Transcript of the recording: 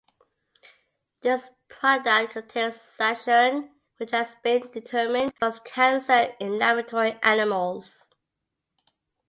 This product contains saccharin which has been determined to cause cancer in laboratory animals.